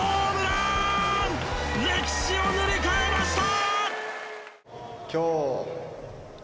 歴史を塗り替えました！